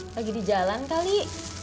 lagi di jalan kali